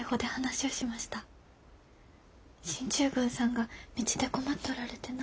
進駐軍さんが道で困っとられてな。